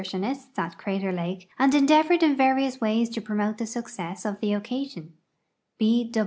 sionists at Crater lake and en deavored in various ways to i)romote the success of the occasion.